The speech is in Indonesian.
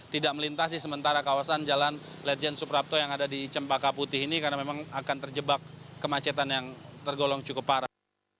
tidak melintasi sementara kawasan jalan ledjen suprapto yang ada di cempaka putih ini karena memang akan terjebak kemacetan yang tergolong cukup parah